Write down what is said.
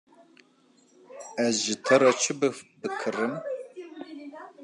Ez ji te re çi bikirim.